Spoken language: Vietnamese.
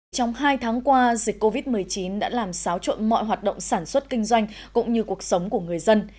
trong hai tháng qua dịch covid một mươi chín đã làm xáo trộn mọi hoạt động sản xuất kinh doanh cũng như cuộc sống của người dân